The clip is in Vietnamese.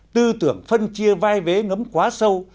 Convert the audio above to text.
tư tưởng phân chia vai vế ngấm quá sâu